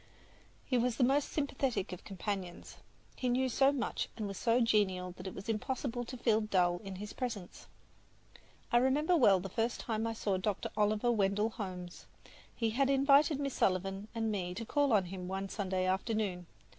He was the most sympathetic of companions. He knew so much and was so genial that it was impossible to feel dull in his presence. I remember well the first time I saw Dr. Oliver Wendell Holmes. He had invited Miss Sullivan and me to call on him one Sunday afternoon.